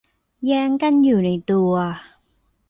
แย้งกันอยู่ในตัว